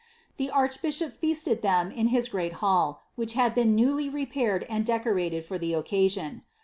The arch bishop feasted them in his great hall, which had been newly repaired tod decorated for the occasion.